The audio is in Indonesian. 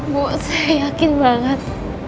bu saya yakin banget